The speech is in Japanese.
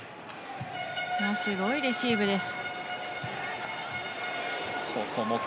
すごいレシーブです。